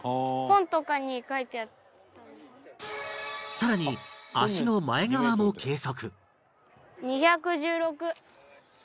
さらに足の前側も計測